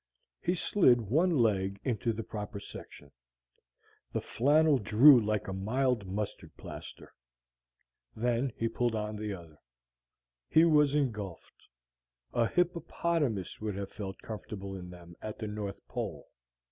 He slid one leg into the proper section: the flannel drew like a mild mustard plaster. Then he pulled on the other: he was engulfed. A hippopotamus would have felt comfortable in them at the north pole.